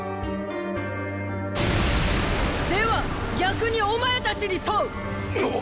では逆にお前たちに問う！！